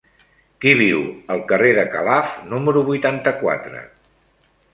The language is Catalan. Qui viu al carrer de Calaf número vuitanta-quatre?